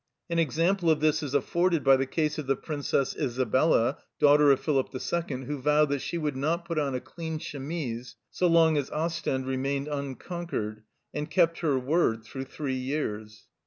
An example of this is afforded by the case of the Princess Isabella, daughter of Philip II., who vowed that she would not put on a clean chemise so long as Ostend remained unconquered, and kept her word through three years.